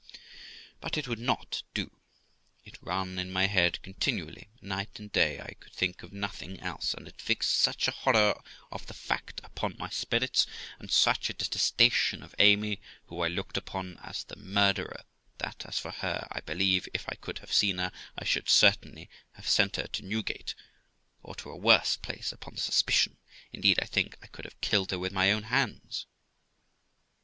But it would not do; k run in my head continually; night and day I could think of nothing else; and it fixed such a horror of the fact upon my spirits, and such a detestation of Amy, who I looked upon as the murderer, that, as for her, I believe, if I could have seen her, I should certainly have sent her to Newgate, or to a worse place, upon suspicion; indeed, I think I could have killed her with my own hands.